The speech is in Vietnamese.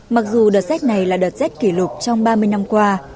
mặc dù đợt xét này là đợt xét kỷ lục trong ba mươi năm qua